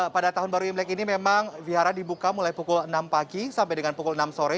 pada tahun baru imlek ini memang wihara dibuka mulai pukul enam pagi sampai dengan pukul enam sore